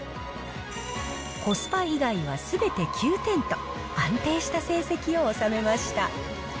コスパ以外はすべて９点と、安定した成績を収めました。